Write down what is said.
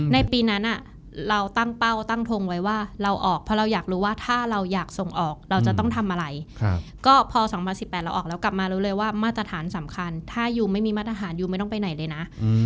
ในปีนั้นเราตั้งเป้าตั้งทงไว้ว่าเราออกเพราะเราอยากรู้ว่าถ้าเราอยากส่งออกเราจะต้องทำอะไรก็พอ๒๐๑๘เราออกแล้วกลับมารู้เลยว่ามาตรฐานสำคัญถ้ายูไม่มีมาตรฐานยูไม่ต้องไปไหนเลยนะ